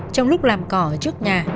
trong lúc làm cỏ ở trước nhà